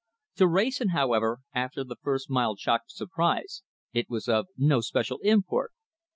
To Wrayson, however, after the first mild shock of surprise, it was of no special import.